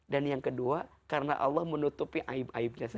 dan yang kedua karena allah menutupi aib aibnya saja